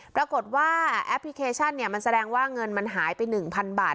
ปรากฏว่าแอปพลิเคชันเนี่ยมันแสดงว่าเงินมันหายไป๑๐๐บาท